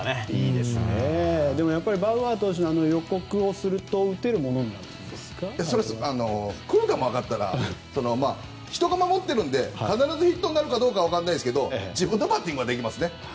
でもバウアー選手のように予告をすると来る球が分かったら人が守っているので必ずヒットになるか分からないですが自分のバッティングはできます。